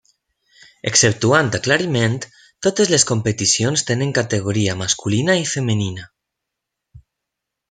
Exceptuant aclariment, totes les competicions tenen categoria masculina i femenina.